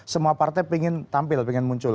semua partai ingin tampil ingin muncul